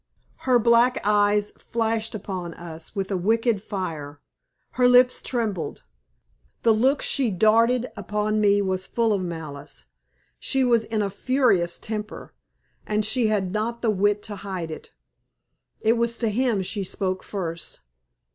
Her black eyes flashed upon us with a wicked fire. Her lips trembled. The look she darted upon me was full of malice. She was in a furious temper, and she had not the wit to hide it. It was to him she spoke first.